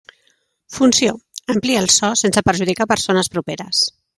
Funció: amplia el so, sense perjudicar persones properes.